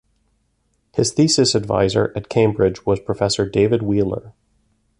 His thesis advisor at Cambridge was Professor David Wheeler.